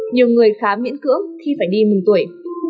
nhiều người khá miễn cưỡng khi phải đi mừng tuổi